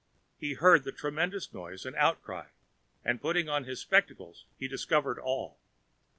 He heard the tremendous noise and outcry, and putting on his spectacles he discovered all!